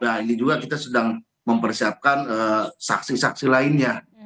nah ini juga kita sedang mempersiapkan saksi saksi lainnya